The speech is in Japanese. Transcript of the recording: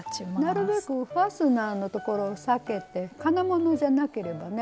なるべくファスナーのところを避けて金物じゃなければね